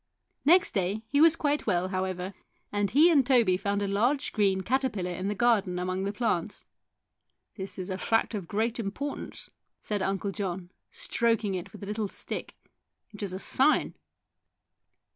Next day he was quite well, however, and he and Toby found a large green caterpillar in the garden among the plants. " This is a fact of great importance," said Uncle John, stroking it with a little stick. " It is a sign